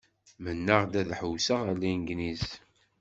Mennaɣ-d ad ḥewwseɣ ar Legniz.